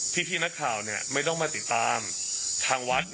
นี่นี่นี่นี่นี่นี่นี่